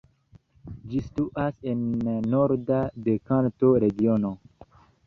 Ĝi situas en norda de Kanto-regiono.